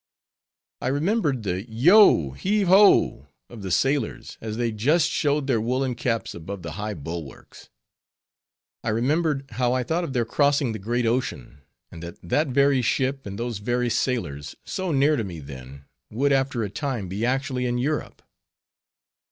I remembered the yo heave ho! of the sailors, as they just showed their woolen caps above the high bulwarks. I remembered how I thought of their crossing the great ocean; and that that very ship, and those very sailors, so near to me then, would after a time be actually in Europe.